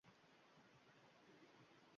Idora oldida telefonda gaplashayotganmish